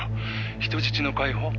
人質の解放？」